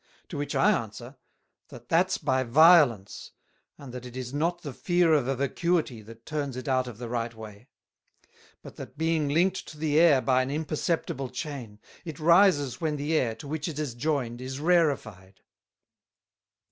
To which I answer, That that's by violence, and that it is not the fear of a Vacuity that turns it out of the right way; but that being linked to the Air by an imperceptible Chain, it rises when the Air, to which it is joined, is rarified.